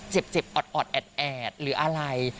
เจ็บออดแอดหรืออะไร